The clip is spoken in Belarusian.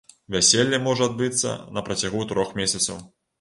Вяселле можа адбыцца на працягу трох месяцаў.